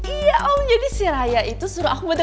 iya om jadi si raya itu suruh aku